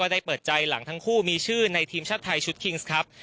ได้เปิดใจหลังทั้งคู่มีชื่อในทีมชาติไทยชุดคิงส์ครับ